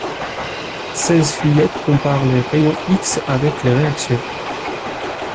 Seize fillettes comparent les rayons X avec les réactions.